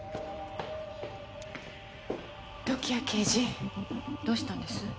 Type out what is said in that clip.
時矢刑事どうしたんです？